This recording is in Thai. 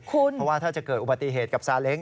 เพราะว่าถ้าจะเกิดอุบัติเหตุกับซาเล้ง